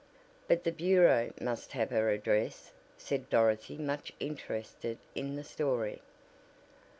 "But the Bureau must have her address," said Dorothy much interested in the story.